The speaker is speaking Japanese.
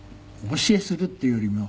お教えするっていうよりも。